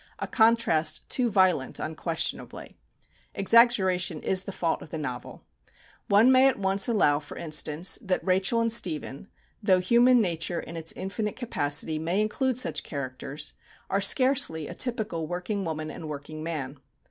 A contrast too violent unquestionably. Exaggeration is the fault of the novel. One may at once allow, for instance, that Rachel and Stephen, though human nature in its infinite capacity may include such characters, are scarcely a typical working woman and working man.